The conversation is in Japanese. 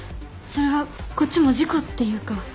それはこっちも事故っていうか。